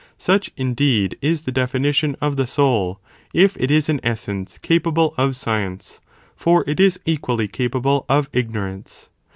such, indeed, is the definition of the soul, if it is an essence capable of science, for it is equally capable of ignorance.